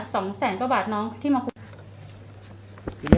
พี่หยุ่งเห็นน่ะ๒แสนกว่าบาทน้องที่มาคุย